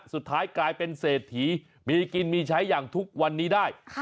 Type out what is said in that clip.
สุดท้ายกลายเป็นเศรษฐีมีกินมีใช้อย่างทุกวันนี้ได้